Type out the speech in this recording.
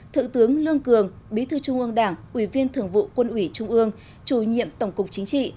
thượng tướng lương cường bí thư trung ương đảng ủy viên thường vụ quân ủy trung ương chủ nhiệm tổng cục chính trị